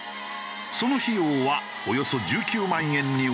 その費用はおよそ１９万円に及んだ。